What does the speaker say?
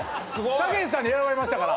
たけしさんに選ばれましたから。